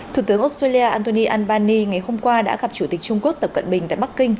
thủ tướng australia anthony albany ngày hôm qua đã gặp chủ tịch trung quốc tập cận bình tại bắc kinh